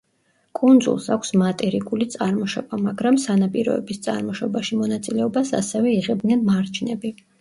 კუნძულს აქვს მატერიკული წარმოშობა, მაგრამ სანაპიროების წარმოშობაში მონაწილეობას ასევე იღებდნენ მარჯნები.